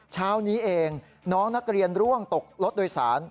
เช้านี้เองน้องนักเรียนร่วงตกรถโดยสาร